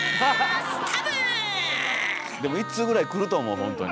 でも１通ぐらい来ると思うほんとに。